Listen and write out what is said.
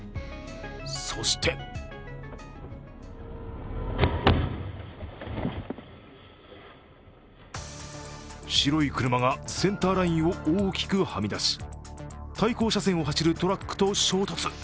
そして白い車がセンターラインを大きくはみ出し、対向車線を走るトラックと衝突。